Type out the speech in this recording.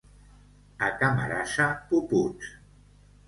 A Camarasa, puputs.